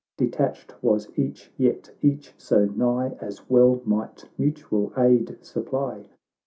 Detached was each, yet each so nigh As well might mutual aid supply.